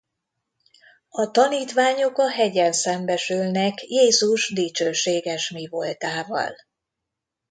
A tanítványok a hegyen szembesülnek Jézus dicsőséges mivoltával.